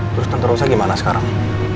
terus tentu rosa gimana sekarang